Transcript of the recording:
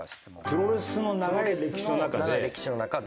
プロレスの長い歴史の中で。